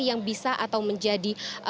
yang bisa atau menjadi